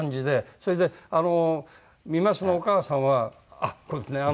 それで三升のお母さんはあっこれですね。